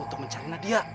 untuk mencari nadia